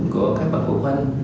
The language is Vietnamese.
của các bậc phụ huynh